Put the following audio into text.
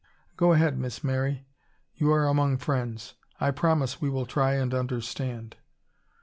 "Go ahead, Miss Mary. You are among friends. I promise we will try and understand."